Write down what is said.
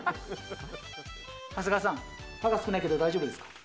長谷川さん歯が少ないけど大丈夫ですか？